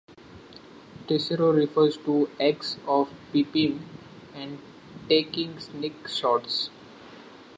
Tashiro refers to acts of peeping and taking sneak shots.